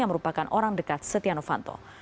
yang merupakan orang dekat setia novanto